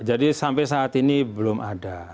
jadi sampai saat ini belum ada